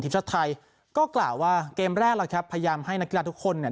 ทีมชาติไทยก็กล่าวว่าเกมแรกล่ะครับพยายามให้นักกีฬาทุกคนเนี่ย